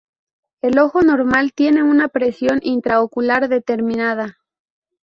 El ojo normal tiene una presión intraocular determinada.